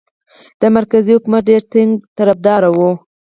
د مرکزي حکومت ډېر ټینګ طرفدار وو.